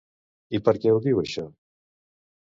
I per què ho diu, això?